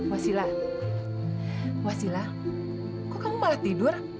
wasila wasila kok kamu malah tidur